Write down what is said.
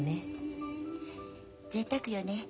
ぜいたくよね。